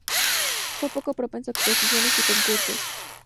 Fue poco propenso a exposiciones y concursos.